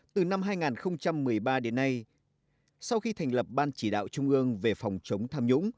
từ năm hai nghìn một mươi ba đến nay sau khi thành lập ban chỉ đạo trung ương về phòng chống tham nhũng